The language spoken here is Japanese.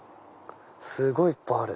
すごいいっぱいある。